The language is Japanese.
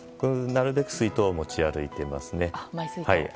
なるべく水筒は持ち歩いていますね。